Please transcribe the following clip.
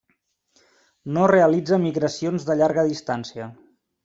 No realitza migracions de llarga distància.